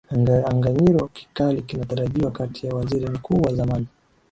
aganyiro kikali kinatarajiwa kati ya waziri mkuu wa zamani